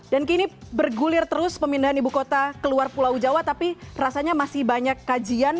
dan kini bergulir terus pemindahan ibu kota ke luar pulau jawa tapi rasanya masih banyak kajian